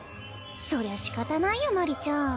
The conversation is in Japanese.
そりゃしかたないよマリちゃん。